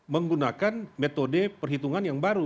menggunakan metode perhitungan yang baru